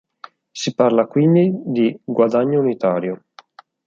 Si parla quindi di "guadagno unitario.